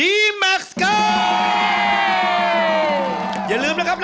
ออกออกออกออกออกออกออกออกออก